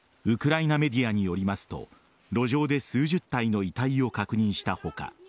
ウクライナメディアによりますと路上で数十体の遺体を確認した他